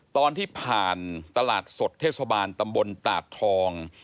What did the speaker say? ตอนที่ผ่านตลาดสดเทศบาลตำบลตาดทอง